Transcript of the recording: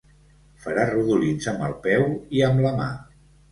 Farà rodolins amb el peu i amb la mà.